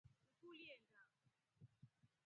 Nkuu ulienda?